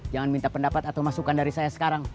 jangan minta pendapat atau masukan dari saya sekarang